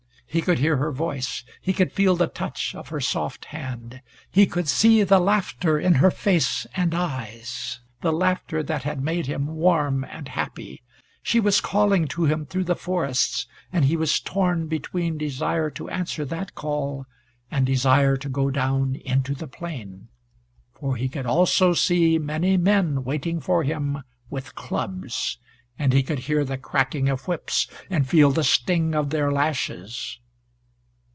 He could hear her voice. He could feel the touch of her soft hand. He could see the laughter in her face and eyes, the laughter that had made him warm and happy. She was calling to him through the forests, and he was torn between desire to answer that call, and desire to go down into the plain. For he could also see many men waiting for him with clubs, and he could hear the cracking of whips, and feel the sting of their lashes.